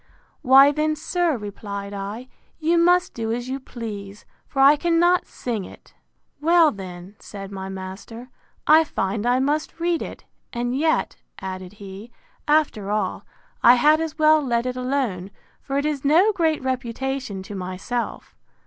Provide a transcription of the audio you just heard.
Why then, sir, replied I, you must do as you please; for I cannot sing it. Well, then, said my master, I find I must read it; and yet, added he, after all, I had as well let it alone, for it is no great reputation to myself.